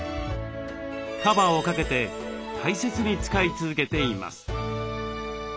カバーをかけて大切に使い続けています。